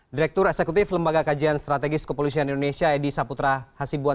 direktur eksekutif lembaga kajian strategis kepolisian indonesia edi saputra hasibuan